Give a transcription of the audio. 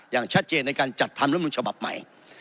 อย่างชัดเจนในการจัดทำรัฐมนุนฉบับใหม่